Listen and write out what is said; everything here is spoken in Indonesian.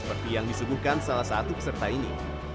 seperti yang disuguhkan salah satu peserta ini